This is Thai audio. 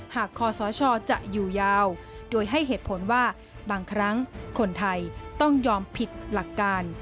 คอสชจะอยู่ยาวโดยให้เหตุผลว่าบางครั้งคนไทยต้องยอมผิดหลักการ